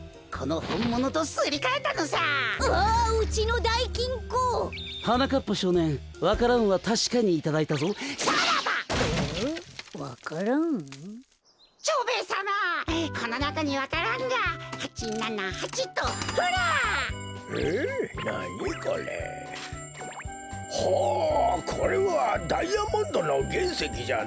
ほうこれはダイヤモンドのげんせきじゃな。